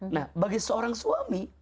nah bagi seorang suami